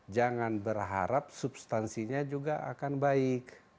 jangan berharap substansinya juga akan baik